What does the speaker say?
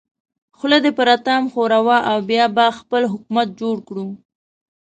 خوله دې پر اتام ښوروه او بیا به خپل حکومت جوړ کړو.